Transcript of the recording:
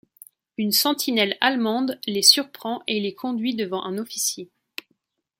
Une sentinelle allemande les surprend et les conduit devant un officier.